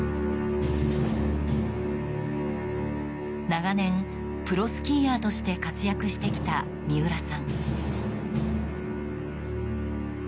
長年、プロスキーヤーとして活躍してきた三浦さん。